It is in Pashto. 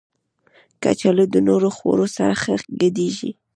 کچالو د نورو خوړو سره ښه ګډېږي